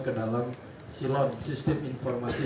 ke dalam silon sistem informasi